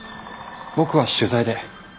僕は取材で。